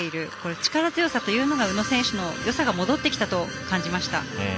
力強さという宇野選手のよさが戻ってきたと感じました。